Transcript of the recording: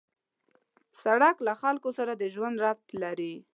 سړک له خلکو سره د ژوند ربط لري.